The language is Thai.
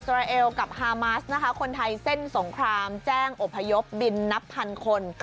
ราเอลกับฮามาสนะคะคนไทยเส้นสงครามแจ้งอพยพบินนับพันคน